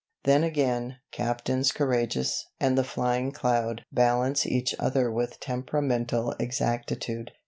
"Then again 'Captains Courageous' and 'The Flying Cloud' balance each other with temperamental exactitude.